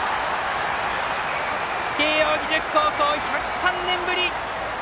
慶応義塾高校、１０３年ぶり！